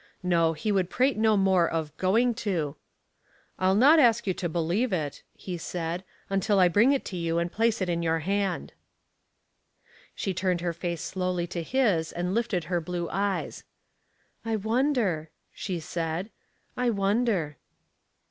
No, he would prate no more of 'going to'. "I'll not ask you to believe it," he said, "until I bring it to you and place it in your hand." She turned her face slowly to his and lifted her blue eyes. "I wonder," she said. "I wonder."